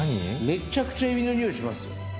めっちゃくちゃエビの匂いしますよ